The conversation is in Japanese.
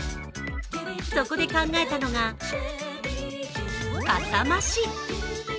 そこで考えたのが、かさ増し。